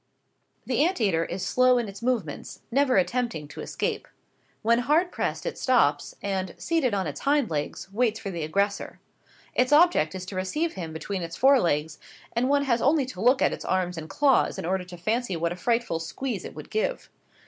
The ant eater is slow in its movements never attempting to escape. When hard pressed it stops, and, seated on its hind legs, waits for the aggressor. Its object is to receive him between its fore legs; and one has only to look at its arms and claws in order to fancy what a frightful squeeze it would give.